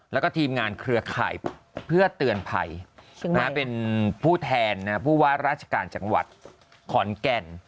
แล้วก็ทีมงานเครือข่ายเพื่อเตือนภัยเป็นผู้แทนผู้ว่าราชการจังหวัดขอนแก่น